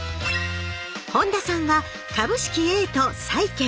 本田さんは株式Ａと債券。